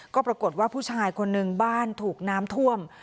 ก็ปรากฏว่าผู้ชายคนนึงบ้านถูกน้ำท่วม